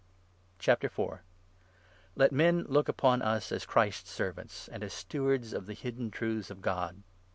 23 Let men look upon us as Christ's servants, and as stewards i 4 of the hidden truths of God.